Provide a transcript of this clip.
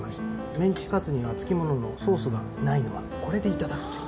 メンチカツには付き物のソースがないのはこれでいただくという。